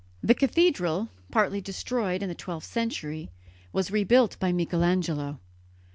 The cathedral, partly destroyed in the twelfth century, was rebuilt by Michelangelo.